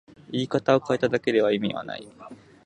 言い方を変えただけで意味はない